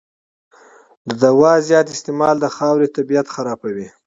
د درملو زیات استعمال د خاورې طبعیت خرابوي.